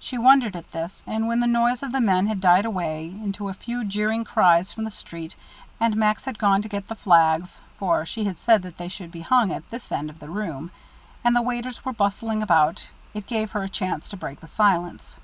She wondered at this, and when the noise of the men had died away into a few jeering cries from the street, and Max had gone to get the flags (for she had said that they should be hung at this end of the room), and the waiters were bustling about, it gave her a chance to break the silence.